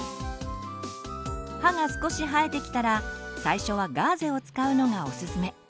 歯が少し生えてきたら最初はガーゼを使うのがオススメ。